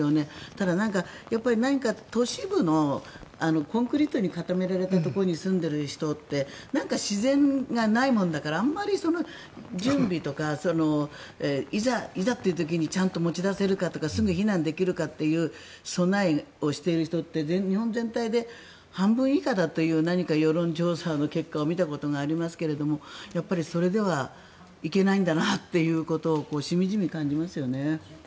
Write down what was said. ただ、何か都市部のコンクリートに固められたところに住んでいる人って自然がないものだからあまり準備とかいざという時にちゃんと持ち出せるかとか避難できるかというような備えをしている人って日本全体で半分以下だという世論調査の結果を見たことがありますけれどやはりそれではいけないんだなとしみじみ感じますよね。